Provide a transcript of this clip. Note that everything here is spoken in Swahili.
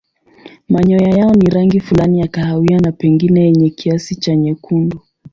Manyoya yao ni rangi fulani ya kahawia na pengine yenye kiasi cha nyekundu.